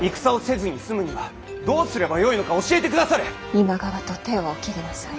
今川と手をお切りなさい。